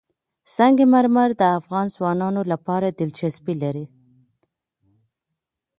سنگ مرمر د افغان ځوانانو لپاره دلچسپي لري.